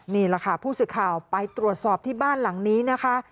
นี่แหละค่ะผู้สื่อข่าวไปตรวจสอบที่บ้านหลังนี้นะคะ